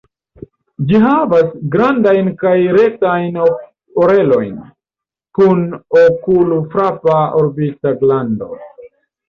Ĝi havas grandajn kaj rektajn orelojn, kun okulfrapa orbita glando.